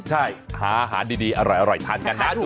ใช่หาอาหารดีอร่อยทานกันน่าโดดมนะ